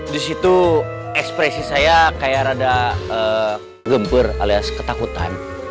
di situ ekspresi saya kayak rada gempur alias ketakutan